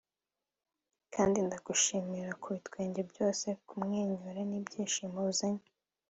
kandi ndagushimiye kubitwenge byose, kumwenyura, n'ibyishimo uzanye